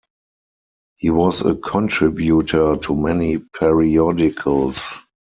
He was a contributor to many periodicals.